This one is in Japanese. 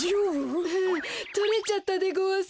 ふふとれちゃったでごわす。